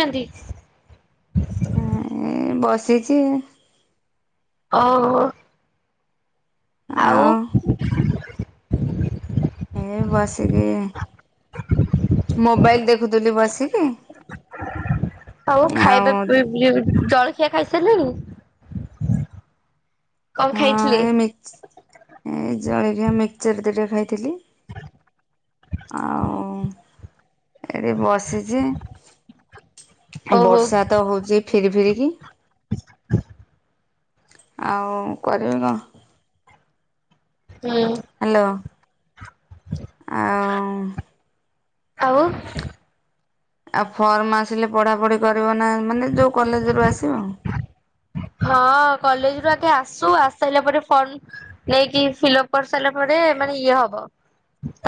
ଚଦି। ଏ ବସିଚି। ଓ ହୋ। ଆଉ। ଏଇ ବସିକି ମୋବାଇଲ ଦେଖୁଥିଲି ବସିକି। ଆଉ ଖାଇବା ପି ଜଳ ଖିଆ ଖାଇସାରିଲଣି। ହଁ ଏ ମି ଏ ଜଳଖିଆ ମିକ୍ସଚର ଦିଟା ଖାଇଥିଲି। [inaudible] ଏଇଠି ବସିଛି ଓହୋ ବର୍ଷା ତ ହଉଚି ଫିରି ଫିରିିକି। [inaudible] ଆଉ କରିବି କ। ହୁଁ। ହ୍ୟାଲୋ। ହ ଆଉ। ଆଉ। ଆଉ ଫର୍ମ ଆସିଲେ ପଢା ପଢି କରିବ ନା ମାନେ ଯୋଉ କଲେଜ ରୁ ଆସିବ? ହଁ କଲେଜ ରୁ ଆଗେ ଆସୁ ଆସାଇଲା ପରେ ଫର୍ମ ନେଇକି ଫିଲ୍ଅପ କରିସାରିଲା ପରେ ମାନେ ଇଏ ହବ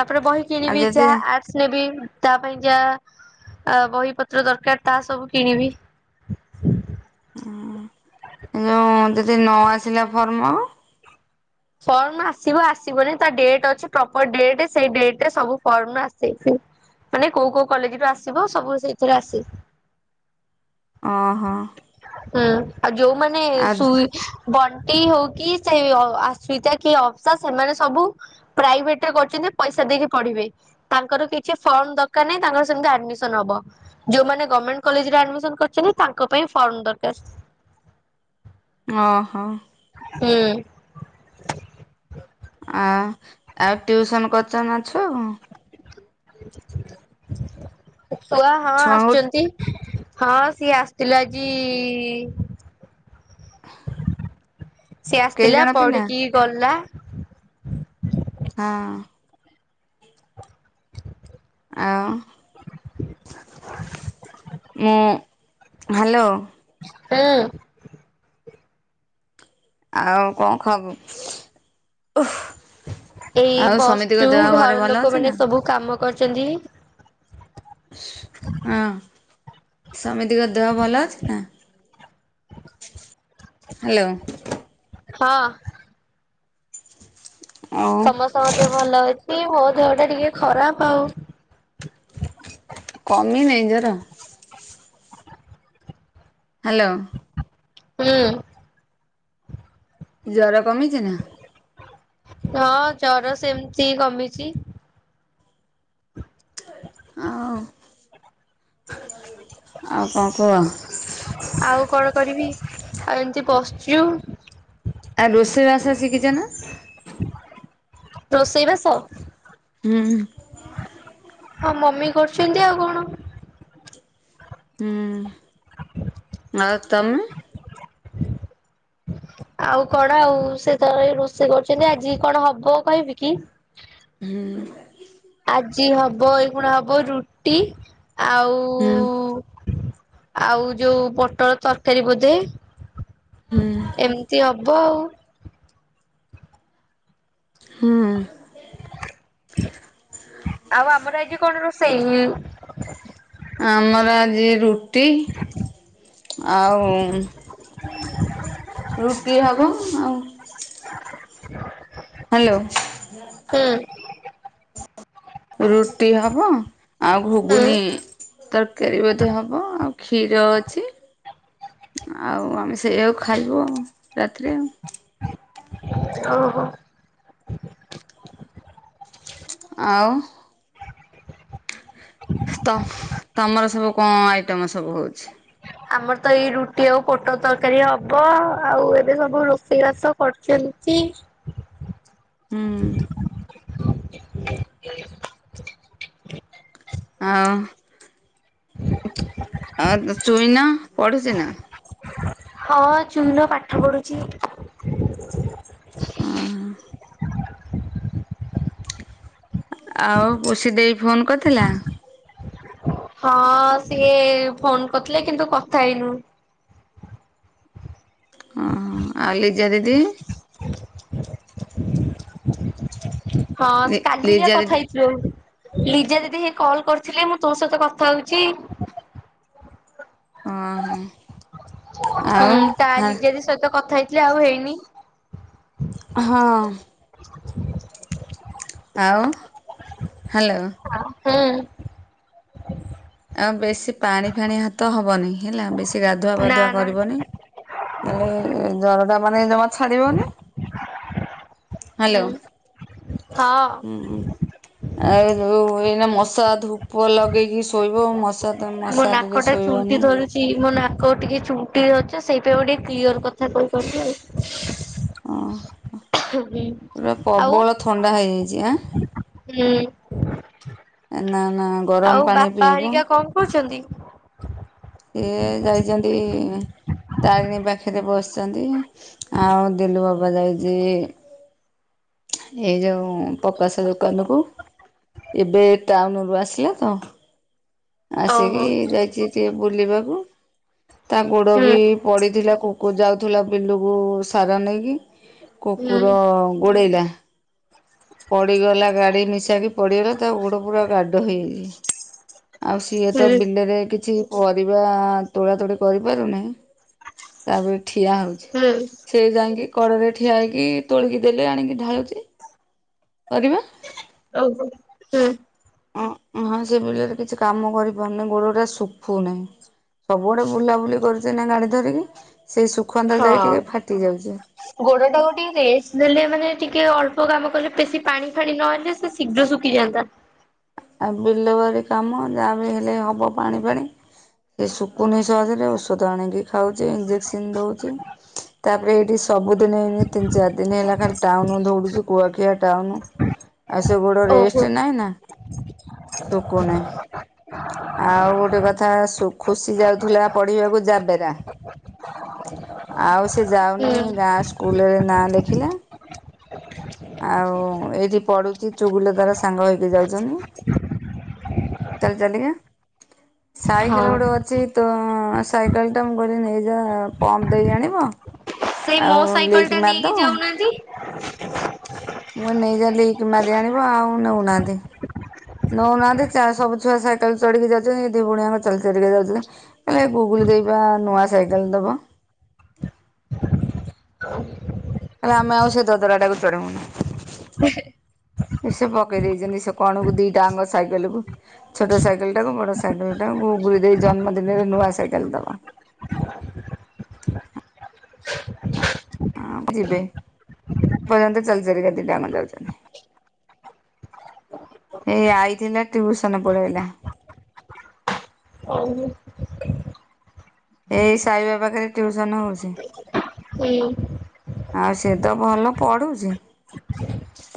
ତାପରେ ବହି ଆଉ କିଣିବି ଯଦି ଯାହା ଆ ସ୍ନେବି ତା ପାଇଁ ଯା ଆ ବହି ପତ୍ର ଦରକାର ତା ସବୁ କିଣିବି। ହୁଁ ଯୋଉଁ ଯଦି ନ ଆସିଲା ଫର୍ମ? ଫର୍ମ ଆସିବ ଆସିବନି ତା ଡେଟ୍ ଅଛି ପ୍ରପର ଡେଟ ସେଇ ଡେଟରେ ସବୁ ଫର୍ମ ଆସେ। ମାନେ କୋଉ କୋଉ କଲେଜରୁୁ ଆସିବ ସବୁ ସେଇଥିରେ ଆସେ। ଅଁ ହ। ହୁଁ ଆଉ ଯୋଉମାନେ ସୁ ବଣ୍ଟି ହଉ କିି ସେ ଅ ଆ ସୁଇତା କି ଅବସା ସେମାନେ ସବୁ ପ୍ରାଇଭେଟ ରେ କରୁଛନ୍ତି ପଇସା ଦେଇକି ପଢିବେ। ତାଙ୍କର କିଛି ଫର୍ମ ଦରକାର ନାହିଁ ତାଙ୍କର ସେମିତି ଆଡମିସନ ହବ। ଯୋଉମାନେ ଗମେଣ୍ଟ କଲେଜ ରେ ଆଡମିସନ କରିଛନ୍ତି ତାଙ୍କ ପାଇଁ ଫର୍ମ ଦରକାର। ଅ ହ। ହୁଁ। ଆ- ଆଉ ଟିଉସନ୍ କରୁଚନା ଛୁଆଙ୍କୁ? ଛୁଆ ହଁ ଛୁଆଙ୍କୁ ଆସୁଚନ୍ତି। ହଁ ସିଏ ଆସିଥିଲା ଆଜି ସିଏ କେଇ ଆସିଥିଲା ଜଣ ପିଲା ପଢିକି ଗଲା। ହଁ। ଆଉ ମୁଁ- ହାଲୋ। ହୁଁ। ଆଉ କଣ ଖବ୍। [inaudible] ଏଇ ବସିଚୁ ଘର ଲୋକମାନେ ନା ସବୁ କାମ କରୁଚନ୍ତି। ହଁ ସମିତିଙ୍କ ଦେହ ଭଲ ଅଛି ନା? ହାଲୋ। ହଁ। ଆଉ ସମସ୍ତଙ୍କ ଦେହ ଭଲ ଅଛି ମୋ ଦେହଟା ଟିକେ ଖରାପ୍ ଆଉ। କମିନେଇ ଜର? ହାଲୋ। ହୁଁ। ଜର କମିଚି ନା? ହଁ ଜର ସେମିତି କମିଚି। ଆଉ ଆଉ କଣ କୁହ? ଆଉ କଣ କରିବି ଆଉ ଏମିତି ବସିଚୁ। ଆଉ ରୋଷେଇ ବାସ ଶିକିଚ ନା? ରୋଷେଇବାସ? ହୁଁ। ହଁ ମମି କରୁଚନ୍ତି ଆଉ କଣ। ହୁଁ ଆଉ ତମେ? ଆଉ କଣ ଆଉ ସେ ତାର ଏଇ ରୋଷେଇ କରୁଚନ୍ତି ଆଜି କଣ ହବ କହିବି କି? ଆଜି ହବ ଏଇଖୁଣା ହବ ରୁଟି ହୁଁ ଆଉ ଆଉ ଯଉ ପୋଟଳ ତରକାରୀ ବୋଧେ। ହୁଁ ଏମିତି ହବ ଆଉ। ହୁଁ। ଆଉ ଆମର ଆଜି କଣ ରୋଷେଇ? ଆମର ଆଜି ରୁଟି ଆଉ ରୁଟି ହବ ଆଉ ହ୍ୟାଲୋ ହୁଁ। ରୁଟି ହବ ଆଉ ଘୁଗୁନି ତରକାରୀ ବୋଧେ ହବ ଆଉ। କ୍ଷୀର ଅଛି ଆଉ ଆମେ ସେଇଆକୁ ଖାଇବୁ ରାତିରେ ଆଉ। ଓ ହୋ। ଆଉ। ତ- ତମର ସବୁ କଁ ଆଇଟମ ସବୁ ହଉଚି? ଆମର ତ ଏଇ ରୁଟି ଆଉ ପୋଟଳ ତରକାରୀ ହବ ଆଉ ଏବେ ସବୁ ରୋଷେଇ ବାସ କରୁଚନ୍ତି। ହୁଁ। ଆଉ- ଆଉ ଚୁଇନା ପଢୁଚି ନା? ହଁ ଚୁନ ପାଠ ପଢୁଚି। [unintelligible] ଆଉ ପୁଷି ଦେଇ ଫୋନ୍ କରିଥିଲା? ହଁ ସିଏ ଫୋନ୍ କରିଥିଲା କିନ୍ତୁ କଥା ହେଇନୁ। ଉଁ ହୁଁ, ଆଉ ଲିଜା ଦିଦି? ହଁ କାଲି ଯାହା ଲିଜା କଥା ଦିଦି ହେଇ ଯୋଉ, ଲିଜା ଦିଦି ହେଇ କଲ୍ କରିଥିଲେ ମୁଁ ତୋ ସହିତ କଥା ହଉଛି। ଓହୋ। ଆଉ ହୁଁ କା ହା ଲିଜା ଦେଇ ସହିତ କଥା ହେଇ ଆଜି ଆଉ ହେଇନି। ହଁ। ଆଉ ହ୍ୟାଲୋ? ହୁଁ। ଆଉ ବେଶୀ ପାଣି ଫାଣି ହାତ ହବନି ହେଲା, ବେଶୀ ଗାଧୁଆ ନା ପାଧୁଆ ନା କରିବନି। ନହେଲେ ଜରଟା ମାନେ ଜମା ଛାଡ଼ିବନି। ହ୍ୟାଲୋ, ହୁଁ ହଁ। ହୁଁ। ଆଉ ଏଇନା ମଶା ଧୂପ ଲଗେଇକି ଶୋଇବୁ, ମଶା ତ ମଶାରିରେ ଶୋଇବନି। କି ମୋ ନାକ ଟିକେ ଚୁଣ୍ଟି ଅଛି, ସେଇପାଇଁ ମୁ ଟିକେ କ୍ଲିୟର କଥା କହିପାରୁନି ଆଉ। ଓହଁ, ପୁରା ଆଉ ପ୍ରବଳ ଥଣ୍ଡା ହେଇଯାଇଛି ଆଁ? ହୁଁ। ଏ ନା ନା ଗରମ ପାଣି ପିଇବ। ପିଉଛନ୍ତି। ସେ ଯାଇଛନ୍ତି ତାରିଣୀ ପାଖରେ ବସିଛନ୍ତି, ଆଉ ଦିଲୁ ବାବା ଯାଇଚି ଏଇ ଯୋଉଁ ପ୍ରକାଶ ଦୋକାନକୁ, ଏବେ ଟାଉନୁରୁ ଆସିଲା ତ। ଆସିକି ଓହୋ ଯାଇଛି ଟିକେ ବୁଲିବାକୁ, ତା ହୁଁ ଗୋଡ଼ବି ପଡିଥିଲା କୁ କୁ ଯାଉଥୁଲା ବିଲକୁ ସାର ନେଇକି ହୁଁ କୁକୁର ଗୋଡ଼େଇଲା। ପଡ଼ିଗଲା ଗାଡ଼ି ମିଶାକି ପଡ଼ିଗଲା ତା ଗୋଡ଼ ପୁରା ଗାଡ ହେଇଯାଇଛି। ଆଉ ସିଏ ହୁଁ ତ ବିଲରେ କିଛି ପରିବା ତୋଳା ତୋଳି କରିପାରୁନେଇ, ତା ବି ଠିଆ ହଉ ହୁଁ। ସେ ଯାଇଁକି କଡ଼ରେ ଠିଆହେଇକି ତୋଳିକି ଦେଲେ ଆଣିକି ଢାଳୁଛି। ପରିବା। [unintelligible] ଅଁ, ହଁ ସେ ବିଲରେ କିଛି କାମ କରିପାରୁନେଇ ଗୋଡଟା ଶୁଖୁନେହିଁ। ସବୁଆଡେ ବୁଲାବୁଲି କରୁଛି ଏଇନା ଗାଡି ଧରିକି, ସେଇ ସୁଖନ୍ତା ଯାଇ ଟିକେ ଫାଟି ଯାଉଛି। ଗୋଡଟାକୁ ଟିକେ ରେଷ୍ଟ ଦେଲେ ମାନେ ଟିକେ ଅଳ୍ପ କାମ କଲେ ବେଶୀ ପାଣି ଫାଣି ନହେଲେ ସେ ଶୀଘ୍ର ଶୁଖିଯାଆନ୍ତା। ଆଉ ବିଲବାଡ଼ି କାମ ଯାହାବି ହେଲେ ହବ ପାଣି ଫାଣି। ସେ ଶୁକୁନେଇ ସହଜରେ ଔଷଧ ଆଣିକି ଖାଉଛି, ଇଞ୍ଜେକ୍ସନ ଦଉଛି, ତାପରେ ଏଇଠି ସବୁଦିନ ଏଇନେ ତିନି ଚାରି ଦିନ ହେଲା ଖାଲି ଟାଉନ ଦୌଡୁଛି କୁଆଖିଆ ଟାଉନ। ଆଉ ସେ ଗୋଡ଼ ଓହୋ ରେଷ୍ଟ ନାଇଁ ନା? ଶୁଖୁନାଇଁ। ଆଉ ଗୋଟେ କଥା ଶୁ, ଖୁସି ଯାଉଥିଲା ପଢିବାକୁ ଯାବେରା ଆଉ ସେ ହୁଁ ଯାଉନେଇ ଗାଁ ସ୍କୁଲରେ ନାଁ ଲେଖିଲା। ଆଉ ଏଇଠି ପଢୁଛି ଚୁଗୁଲର ତାର ସାଙ୍ଗ ହେଇକି ଯାଉଛନ୍ତି। [inaudible] ଚାଲ ଚାଲଲିକା ହଁ ସାଇକେଲ ଗୋଟେ ଅଛି ତଅ ସାଇକେଲଟା ମୁଁ କହିଲି ନେଇଯାଅ ପମ୍ପ୍ ଦେଇ ଆଣିବ। ସେଇ ମୋ ଆଉ ସାଇକେଲ ଲିକ୍ ଟା ମାରିଦବ ନେଇକି ଯାଉନାହାନ୍ତି। ମୁଁ ନେଇ ଗଲି ମାରି ଆଣିବ ଆଉ ନେଉନାହାନ୍ତି। ନଉନାହାନ୍ତି ଚା ସବୁ ଛୁଆ ସାଇକେଲ ଚଢିକି ଯାଉଛନ୍ତି ଏ ଦି ଭଉଣୀ ଆମର ଚାଲ ଚାଲଲିକା ଯାଉଛନ୍ତି। ଏ ଗୁଗୁଲି ଦେଇବା ନୂଆ ସାଇକେଲ ଦବ। କଲା ଆମେ ଆଉ ସେ ଦଦରା ଟାକୁ ଚଢିବୁନୁ। [inaudible] ଏ ସେ ପକେଇ ଦେଇଛନ୍ତି ସେ କଣ କ ଦିଟା ଅଙ୍ଗ ସାଇକେଲ କୁ ଛୋଟ ସାଇକେଲ ଟାକୁ ବଡ ସାଇକେଲ ଟାକୁ ଗୁଗୁଲ ଦେଇ ଜନ୍ମଦିନରେ ନୂଆ ସାଇକେଲ ଦବ। ହଁ ଯିବେ ଏ ପର୍ଯ୍ୟନ୍ତ ଚାଲ ଚଲିକା ଦି ଟା ଯାଙ୍କ ଯାଉଛନ୍ତି। ଏ ଆଇଥିଲା ଟ୍ୟୁସନ ପଳେଇଲା। ହଉ। ଏଇ ସାଇବା ପାଖରେ ଟିଉସନ ହଉଛି। ହୁଁ! ଆଉ ସେଏ ତ ଭଲ ପଢୁଛି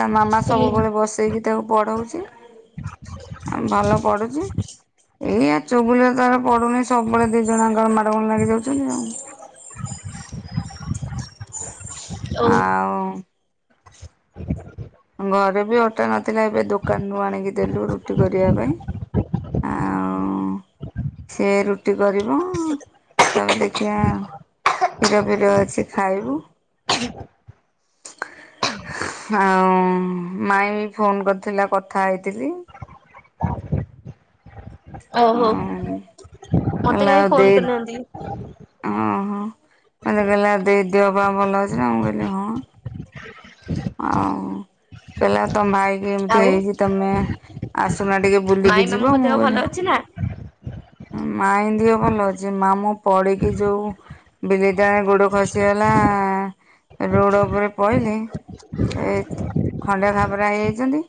ତା ମାମା ହୁଁ ସବୁବେଳେ ବସି ସେଇ କି ତାକୁ ପଢ଼ାଉଛି ଆ ଭଲ ପଢ଼ୁଛି। ଏଇଆ ଚୁବୁଲିର ତାର ପଡୁନି ସବୁବେଳେ ଦି ଜଣାଙ୍କର ମାଡ ଗୋଲ ଲାଗି ଯାଉଚନ୍ତି ଆଉ। ଓହୋ। ଆଉ। ଘରେ ବି ଅଟା ନଥିଲା ଏବେ ଦୋକାନରୁ ଆଣିକି ଦେଲୁ ରୁଟି କରିବା ପାଇଁ। [inaudible] ହଁ ସେ ରୁଟି କରିବ‌। ତାପରେ ଦେଖିଆ କ୍ଷୀର ଫିର ଅଛି ଖାଇବୁ। [inaudible] ଆଉ ମାଇଁ ଫୋନ କରିଥିଲା କଥା ହେଇଥିଲି। ଓହୋ ଆଉ ମତେ କହିଲା କାହିଁ ଆଉ ଫୋନ ଦେଇ କରିନାହାନ୍ତି? ଓହୋ ମତେ କହିଲା ଦେଇ ଦେହ ପା ଭଲ ଅଛି ନା ମୁଁ କହିଲି ହଁ। ଆଉ କହିଲା ତମ ଭାଇକି ଏମିତି ଆଉ ହେଇଛି ତମେ ଆସୁନା ଟିକେ ମାଇଁ ବୁଲିକି ଯିବ ମାମୁଙ୍କ ମୁଁ ଦେହ ଭଲ କହିଲି ଅଛି ନା? ମାଇଁ ଦିହ ଭଲ ଅଛି ମାମୁଁ ପଡ଼ିକି ଯୋଉ ବିଲେଇଟା ଗୋଡ଼ ଖସିଗଲା ଆ ରୋଡ଼ ଉପରେ ପଇଲି। ଏ ଖଣ୍ଡିଆ ଖାବରା ହେଇଯାଇଚନ୍ତି।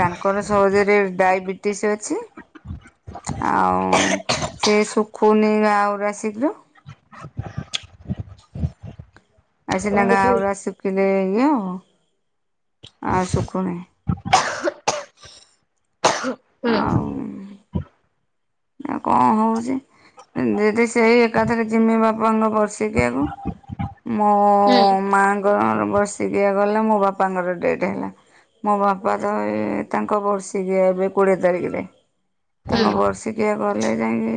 ତାଙ୍କର ସହଜରେ ଡାଇବେଟିସ୍ ଅଛି। ଆଉ ସେ ଶୁଖୁନି ଘା ଗୁରା ଶୀଘ୍ର। ଆଉ ସିନା ଓହୋ ଘା ହୁଁ ଗୁରା ଶୁଖିଲେ ଇଏ ହବ ଆଉ ଶୁଖୁନି। ଆଉ ହୁଁ କଣ ହଉଛି? ଦିଦି ସେଇ ଏକାଥରେ ଜିମି ବାପା ଙ୍କ ବର୍ଷିକିୟା କୁ ମୋ ମାଙ୍କର ବାର୍ଷିକୀୟା ଗଲା ମୋ ବାପାଙ୍କର ଡେଥ ହେଲା। ମୋ ବାପା କହିବେ ତାଙ୍କ ବର୍ଷିକିୟା ଏବେ କୋଡିଏ ତାରିଖରେ ତାଙ୍କ ହୁଁ। ବର୍ଷି କିଏ ଗଲେ ଯାଇଁକି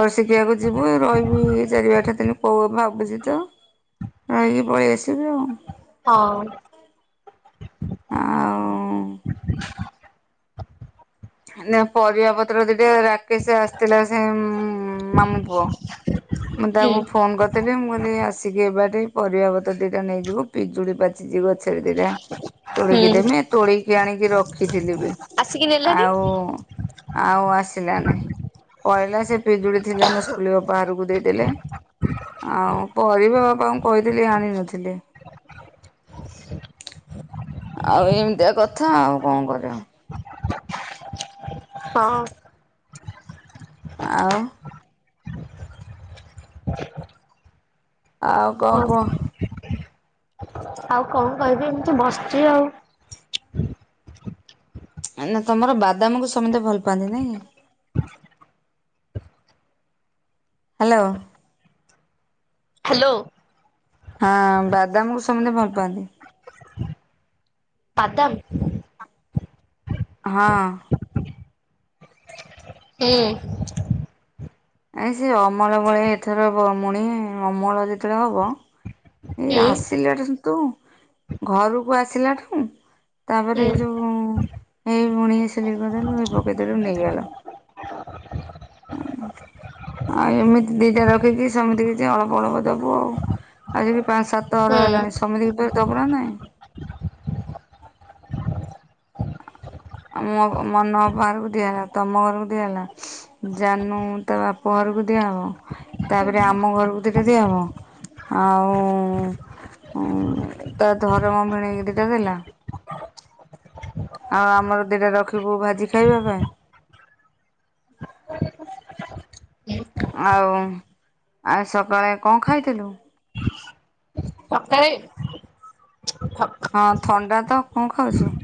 ବର୍ଷିକିିବାକୁ ଯିବୁ ରହିବୁ ହେଇ ଚାରି ଆଠ ଦିନ ପୋ ଭାବୁଛି ତ। ରହିକି ପଳେଇ ଆସିବୁ ଆଉ। ହଁ। ଆଉଁ ପରିବା ପତ୍ର ଦିଟେ ରାକେଶ ଆସିଥିଲା ସେ ମ୍ ମାମୁ ପୁଅ ମୁଁ ହୁଁ ତାଙ୍କୁ ଫୋନ କରିଥିଲି ମୁଁ କହିଲି ଆସ [unintelligible] ପରିବାପତ ଦୁଇଟା ନେଇଯିବୁ ପିଜୁଳି ପାଚଛି ଗଛରେ ଦିଟା ହୁଁ ତୋଳିକି ଦେମି ତୋଳିକି ଆଣିକି ରଖିଥିଲି ବି ଆସିକି ନେଲାନି ଆଉ ଆଉ ଆସିଲାନି ପଳିଲା ସେ ପିଜୁଳି ଥିଲା ମୋ ସ୍କୁଲ ବାପା ଘରକୁ ଦେଇ ଦେଲେ ଆଉ ପରିବା ବାପାଙ୍କୁ କହିଥିଲି ଆଣିନଥିଲେ। ଆଉ ଏମିତିଆ କଥା ଆଉ କଣ କରିବ। ହଁ। ଆଉ? ଆଉ କଣ ହଁ କୁହ? ଆଉ କଣ କହିବି ଏମିତି ବସିଚି ଆଉ। ନା ତମର ବାଦାମକୁ ସମତେ ଭଲ ପାଆନ୍ତି ନାଇଁ? ହ୍ୟାଲୋ। ହ୍ୟାଲୋ। ହଁ ବାଦାମକୁ ସମତେ ଭଲ ପାଆନ୍ତି। ପାଦମ୍ ହଁ। ହୁଁ। ନାଇ ସେ ଅମଳ ଭଳିଆ ଏଥର ମ ମୁଣି ଅମଳ ଯେତେବେଳେ ହବ ଏଇ ହୁଁ ଆସିଲା ଠୁ ତୁ ଘରକୁ ଆସିଲା ଠୁ ହୁଁ ତାପରେ ଏଇ ଯୋଉ ଏଇ ବୁଣି ସିଲେଇ କରିଦେଲୁ ଏ ପକେଇଦେଲୁ ନେଇଗଲ। [inaudible] ଆଉ ଏମିତି ଦିଟା ରଖିକି ସେମିତି କିଛି ଅଳ୍ପ ଅଳ୍ପ ଦବୁ ଆଉ। ଆଜିିକ ପାଞ୍ଚ ହୁଁ ସାତଥର ହେଲାଣି ସମିତି କି ଫିର୍ ଦବୁ କି ନାହିଁ? ଆ ମୋ ମ ନ ବାହାରକୁ ଦିଆହଲା ତମ ଘରକୁ ଦିଆ ହେଲା ଜାନୁ ତା ବାପ ଘରକୁ ଦିଆହେବ ତାପରେ ଆମ ଘରକୁ ଦିଟା ଦିଆହବ। ଆଉ ତା ଧରମ ଭିଣେଇକି ଦିଟା ଦେଲା ଆଉ ଆମର ଦିଟା ରଖିବୁ ଭାଜି ଖାଇବା ପାଇଁ। ହୁଁ ଆଉ ଆ ସକାଳେ କଣ ଖାଇଥିଲୁ? ସକାଳେ? ହଁ ଥଣ୍ଡା ତ କଣ ଖାଉଛୁ?